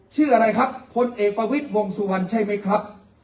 ชื่ออะไรครับพลเอกประวิทย์วงสุวรรณใช่ไหมครับ